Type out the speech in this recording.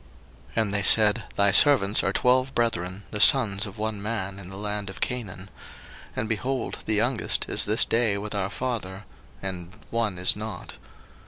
01:042:013 And they said, Thy servants are twelve brethren, the sons of one man in the land of Canaan; and, behold, the youngest is this day with our father, and one is not.